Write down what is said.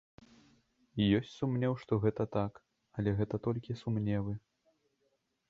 Ёсць сумнеў, што гэта так, але гэта толькі сумневы.